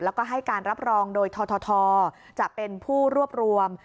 แล้วก็ให้การรับรองโดยททจะเป็นผู้รวบรวม